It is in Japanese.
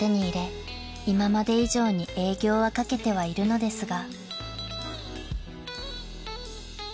今まで以上に営業はかけてはいるのですが］